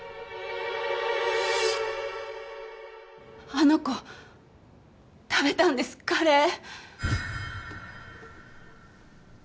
あの子食べたんですカレー。